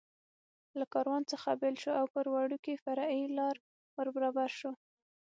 له کاروان څخه بېل شو او پر وړوکې فرعي لار ور برابر شو.